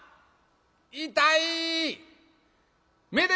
「痛い！」。